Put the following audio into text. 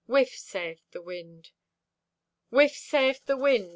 Whiff, sayeth the wind. Whiff, sayeth the wind!